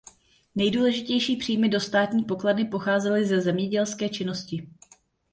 Nejdůležitější příjmy do státní pokladny pocházely ze zemědělské činnosti.